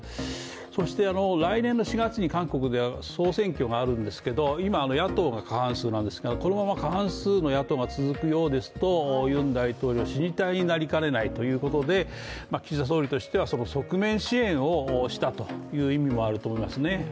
そして、来年の４月に韓国では総選挙があるんですけど今、野党が過半数なんですがこのまま過半数の野党が続くようですとユン大統領、死に体になりかねないということで岸田総理としてはその側面支援をしたというところもあると思いますね。